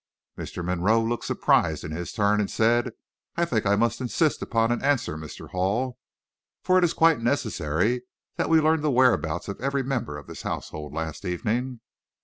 Mr. Monroe looked surprised in his turn, and said: "I think I must insist upon an answer, Mr. Hall, for it is quite necessary that we learn the whereabouts of every member of this household last evening."